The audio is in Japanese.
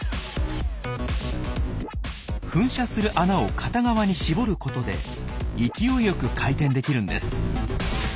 噴射する穴を片側に絞ることで勢いよく回転できるんです。